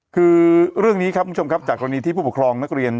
คือเรื่องนี้ครับคุณผู้ชมครับจากกรณีที่ผู้ปกครองนักเรียน